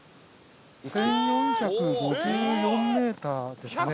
１４５４ｍですね。